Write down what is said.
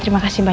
tak perlu gila